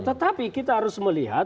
tetapi kita harus melihat